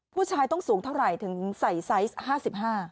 ผู้ชายต้องสูงเท่าไหร่ถึงใส่ไซส์๕๕